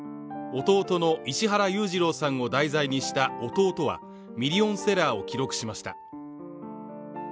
弟の石原裕次郎さんを題材にした「弟」はミリオンセラーを記録しました。